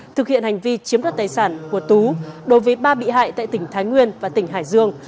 thực hiện hành vi chiếm đoạt tài sản của tú đối với ba bị hại tại tỉnh thái nguyên và tỉnh hải dương